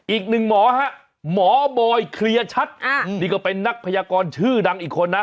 อีกหนึ่งหมอฮะหมอบอยเคลียร์ชัดนี่ก็เป็นนักพยากรชื่อดังอีกคนนะ